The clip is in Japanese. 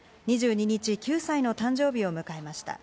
２２日、９歳の誕生日を迎えました。